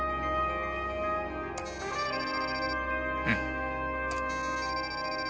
うん。